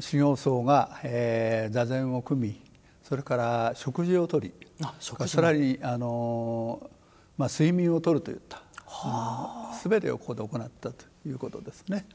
修行僧が座禅を組みそれから食事を取りさらに睡眠をとるといったすべてをここで行ったということですね。